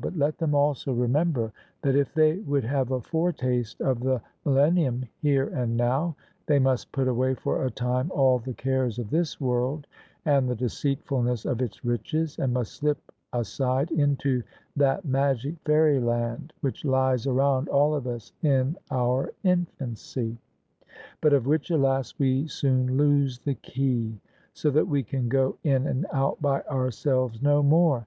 But let them also remember that if they would have a foretaste of the millen nium here and now, they must put away for a time all the cares of this world and the deceitfulness of its riches, and must slip aside into that magic fairyland which lies around all of us in our infancy, but of which, alas! we soon lose the key, so that we can go in and out by ourselves no more.